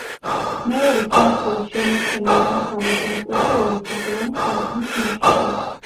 მეორე სართულის შემორჩენილ დასავლეთ ნაწილში ორი თაღოვანი სარკმლის ნაშთია.